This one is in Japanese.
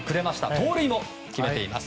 盗塁も決めています。